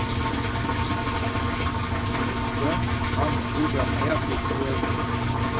Ucden ham dulya p̌eyat̆i iyert̆u.